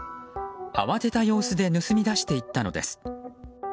慌てた様子で盗み出していったのです。